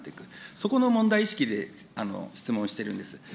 そこの問題意識で質問してるんです。